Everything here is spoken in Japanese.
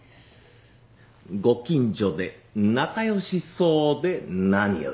ご近所で仲良しそうで何よりだ。